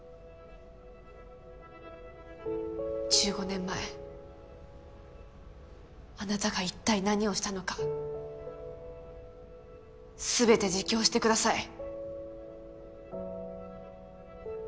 １５年前あなたが一体何をしたのか全て自供してください。